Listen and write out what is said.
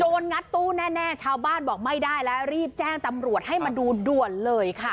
งัดตู้แน่ชาวบ้านบอกไม่ได้แล้วรีบแจ้งตำรวจให้มาดูด่วนเลยค่ะ